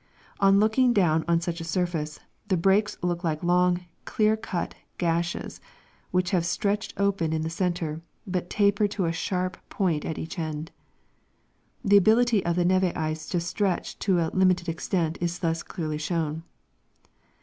On looking down on such a surface, the breaks look like long clear cut gashes which have stretched open in the center, but taper to a sharp ])oint at each end. The ability of the neve ice to stretch to a limited extent is thus clearly shown.